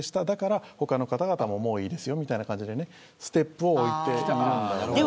だから、他の方々ももういいですよみたいな感じでね、ステップを置いているんだろうなと。